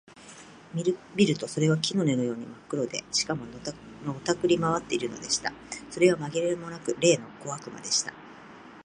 見るとそれは木の根のようにまっ黒で、しかも、のたくり廻っているのでした。それはまぎれもなく、例の小悪魔でした。